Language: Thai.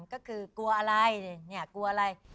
ก็คือกลัวอะไรเนี่ยกลัวอะไร